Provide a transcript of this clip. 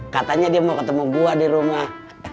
katanya dia mau ketemu buah di rumah